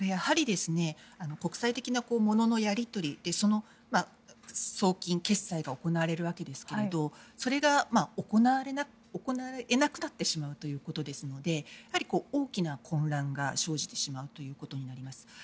国際的なもののやり取りで送金、決済が行われるわけですがそれが行われなくなってしまうということですので大きな混乱が生じてしまうことになります。